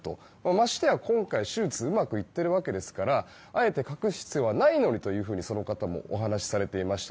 ましてや今回、手術はうまくいっているわけですからあえて隠す必要はないのにとその方もお話しされていました。